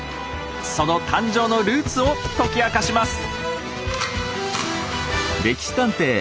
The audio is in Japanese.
その誕生のルーツを解き明かします。